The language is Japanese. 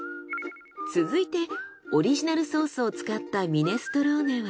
続いてオリジナルソースを使ったミネストローネは？